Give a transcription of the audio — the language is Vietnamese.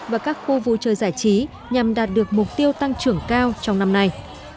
và các khu vui chơi giải trí nhằm đạt được mục tiêu tăng trưởng cao trong năm nay